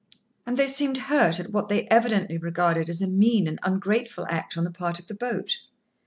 And they seemed hurt at what they evidently regarded as a mean and ungrateful act on the part of the boat.